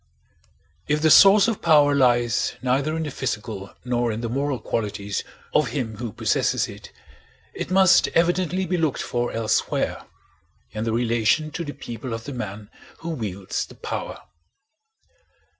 If the source of power lies neither in the physical nor in the moral qualities of him who possesses it, it must evidently be looked for elsewhere—in the relation to the people of the man who wields the power.